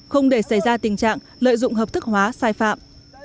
không để xảy ra tình trạng lợi dụng hợp thức hóa sai phạm